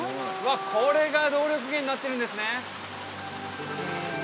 これが動力源になってるんですね